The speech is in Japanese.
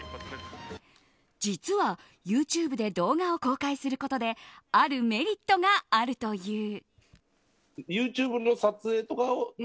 実はＹｏｕＴｕｂｅで動画を公開することであるメリットがあるという。